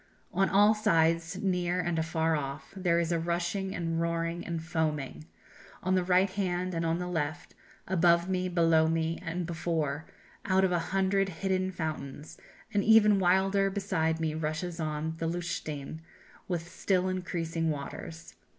On all sides, near and afar off, there is a rushing and roaring and foaming, on the right hand and on the left, above me, below me, and before, out of a hundred hidden fountains, and even wilder beside me rushes on the Lutschine, with still increasing waters.